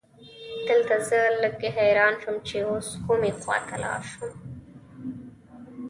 دلته زه لږ حیران شوم چې اوس کومې خواته لاړ شم.